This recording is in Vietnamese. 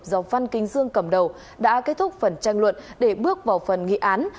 do phan kinh dương cầm đầu đã kết thúc phần tranh luận để bước vào phần nghị án